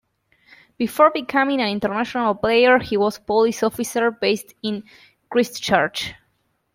Before becoming an international player he was a police officer based in Christchurch.